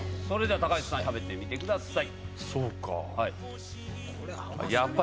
高橋さん食べてください。